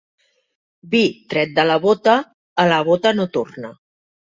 Vi tret de la bota, a la bota no torna.